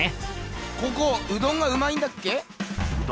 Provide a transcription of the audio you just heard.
ここうどんがうまいんだっけ？